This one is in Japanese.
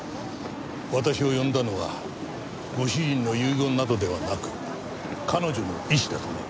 私を呼んだのはご主人の遺言などではなく彼女の意思だとね。